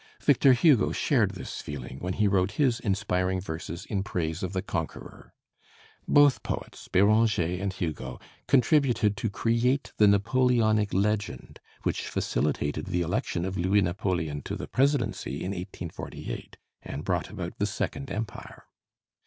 Victor Hugo shared this feeling when he wrote his inspiring verses in praise of the conqueror. Both poets, Béranger and Hugo, contributed to create the Napoleonic legend which facilitated the election of Louis Napoleon to the presidency in 1848, and brought about the Second Empire.